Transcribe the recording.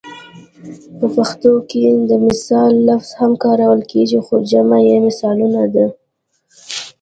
په پښتو کې د مثال لفظ هم کارول کیږي خو جمع یې مثالونه ده